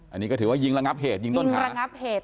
อันนี้ก็ถือว่ายิงระงับเหตุยิงต้นขาระงับเหตุ